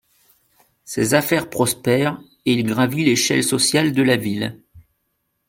Ses affaires prospèrent et il gravit l'échelle sociale de la ville.